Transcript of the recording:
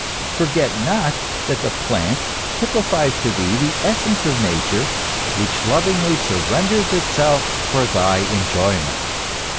For get not that the plant typifies to thee the essence of Nature, which lovingly surrenders itself for thy enjoyment!